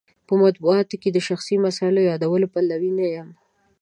په مطبوعاتو کې د شخصي مسایلو یادولو پلوی نه یم.